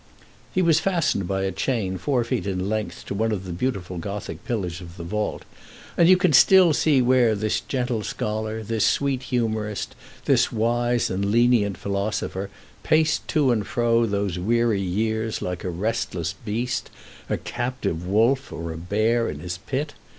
He was fastened by a chain four feet in length to one of the beautiful Gothic pillars of the vault, and you still see where this gentle scholar, this sweet humorist, this wise and lenient philosopher, paced to and fro those weary years like a restless beast a captive wolf, or a bear in his pit.